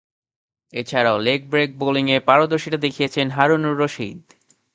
এছাড়াও leg break বোলিংয়ে পারদর্শীতা দেখিয়েছেন হারুনুর রশীদ।